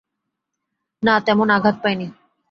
না, তেমন আঘাত পাইনি।